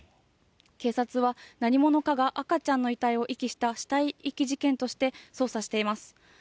警察は何者かが赤ちゃんの遺体を遺棄した死体遺棄事件として捜査しています。